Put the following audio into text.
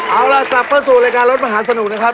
เอาล่ะกลับเข้าสู่รายการรถมหาสนุกนะครับ